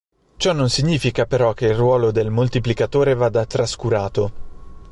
Ciò non significa, però, che il ruolo del moltiplicatore vada trascurato.